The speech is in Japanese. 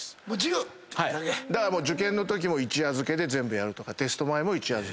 受験のときも一夜漬けで全部やるとかテスト前も一夜漬けとか。